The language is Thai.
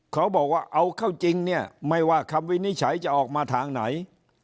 เขาบอกว่าเอาเข้าจริงเนี่ยไม่ว่าคำวินิจฉัยจะออกมาทางไหน